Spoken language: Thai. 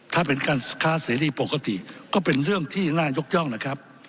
ถ้าเป็นการค้าเสรีปกติก็เป็นเรื่องที่สำคัญที่สุด